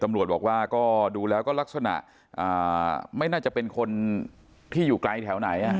ตำรวจบอกว่าก็ดูแล้วก็ลักษณะไม่น่าจะเป็นคนที่อยู่ไกลแถวไหน